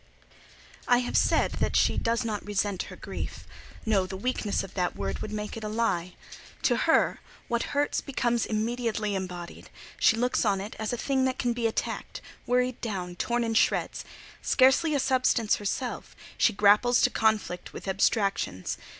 I have said that she does not resent her grief. No; the weakness of that word would make it a lie. To her, what hurts becomes immediately embodied: she looks on it as a thing that can be attacked, worried down, torn in shreds. Scarcely a substance herself, she grapples to conflict with abstractions.